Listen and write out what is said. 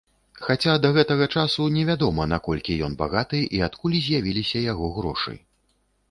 Хаця да гэтага часу невядома, наколькі ён багаты і адкуль з'явіліся яго грошы.